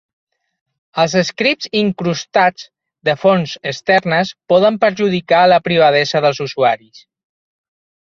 Els scripts incrustats de fonts externes poden perjudicar la privadesa dels usuaris.